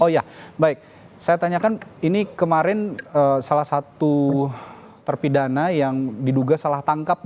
oh ya baik saya tanyakan ini kemarin salah satu terpidana yang diduga salah tangkap